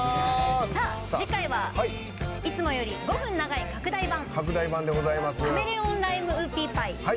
次回はいつもより５分長い拡大版。